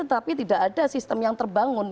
tapi tidak ada sistem yang terbangun